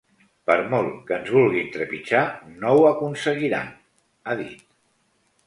Per molt que ens vulguin trepitjar, no ho aconseguiran, ha dit.